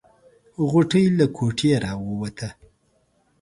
غوټۍ له کوټې راووته.